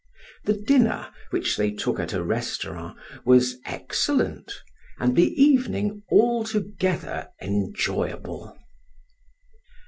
The dinner, which they took at a restaurant, was excellent, and the evening altogether enjoyable.